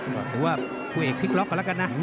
ก็ถือว่าคู่เอกพลิกล็อกกันแล้วกันนะ